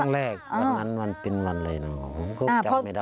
ครั้งแรกวันนั้นวันปินวันอะไรนะผมก็จับไม่ได้